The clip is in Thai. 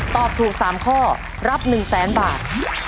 ตอบถูก๓ข้อรับ๑แสนบาท